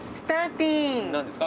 何ですか？